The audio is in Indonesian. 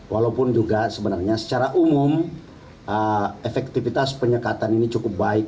walaupun juga sebenarnya secara umum efektivitas penyekatan ini cukup baik